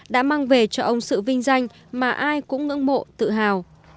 đã mang về cho ông sự vinh danh mà ai cũng ngưỡng mộ tự hào